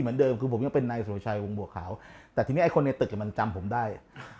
เหมือนเดิมคือผมยังเป็นนายสุรชัยวงบัวขาวแต่ทีนี้ไอ้คนในตึกมันจำผมได้